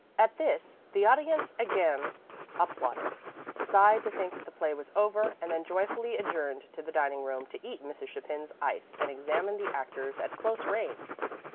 At this the audience again applauded, sighed to think that the play was over, and then joyfully adjourned to the dining room to eat Mrs. Chapin's ice and examine the actors at close range.